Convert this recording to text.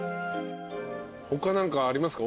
他何かありますか？